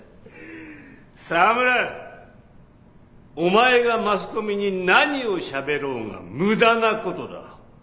沢村お前がマスコミに何をしゃべろうが無駄なことだ。